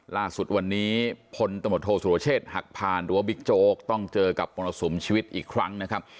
ล่าสุดวันนี้พลตมธศุรเชษฐ์หักผ่านรั้วบิกโจ๊กต้องเจอกับปรนสุมชีวิตอีกครั้งนะครับ